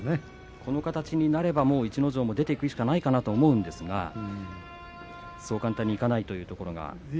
この形になれば逸ノ城も出ていくしかないと思うんですがそう簡単にはいかないんでしょうね。